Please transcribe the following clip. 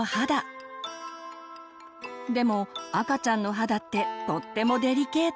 でも赤ちゃんの肌ってとってもデリケート。